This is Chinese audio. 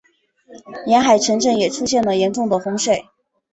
沿海城镇也出现了严重的洪水。